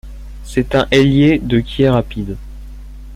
C'est un ailier de qui est rapide.